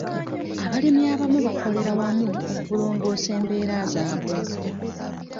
Abalimi abamu bakolera wamu okulongoosa embeera zaabwe.